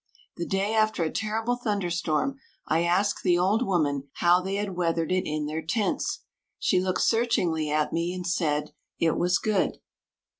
The day after a terrible thunderstorm I asked the old woman how they had weathered it in their tents. She looked searchingly at me and said, "It was good."